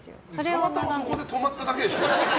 たまたまそこで止まっただけでしょ。